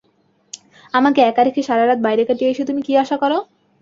আমাকে একা রেখে সারারাত বাইরে কাটিয়ে এসে তুমি কী আশা কর?